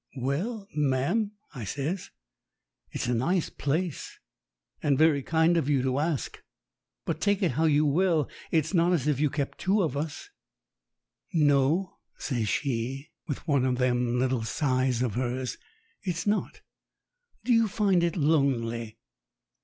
"Well, ma'am," I says, "it's a nice place, and very GENERAL OBSERVATIONS 89 kind of you to ask, but take it how you will, it's not as if you kept two of us." "No," says she, with one of them little sighs of hers, "it's not. Do you find it lonely?"